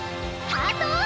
ハートを！